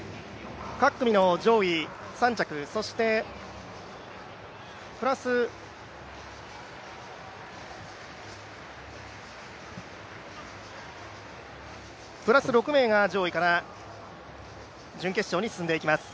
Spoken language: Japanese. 各組の上位３着プラス６名が上位から準決勝に進みます。